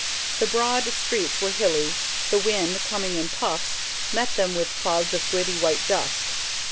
The broad streets were hilly; the wind, coming in puffs, met them with clouds of gritty white dust.